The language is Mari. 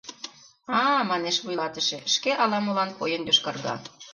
— А-а, — манеш вуйлатыше, шке ала-молан койын йошкарга.